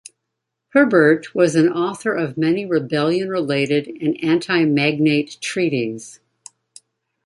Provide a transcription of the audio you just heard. Herburt was an author of many rebellion-related and anti-magnate treaties.